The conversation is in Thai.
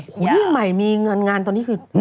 หูยใหม่มีเงินงานตอนนี้คือ๔๕เรื่องเลยนะ